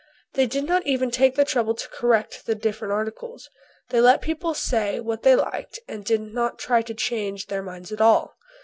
They did not even take the trouble to correct the different articles. They let people say what they liked and did not try to change their minds at all.